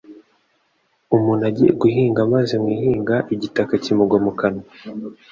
Umuntu agiye guhinga maze mu ihinga igitaka kimugwa mu kanwa,